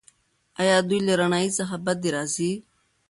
ایا دوی له رڼایي څخه بدې راځي؟